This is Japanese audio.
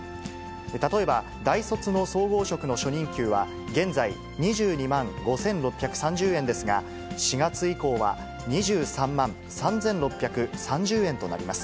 例えば大卒の総合職の初任給は、現在、２２万５６３０円ですが、４月以降は２３万３６３０円となります。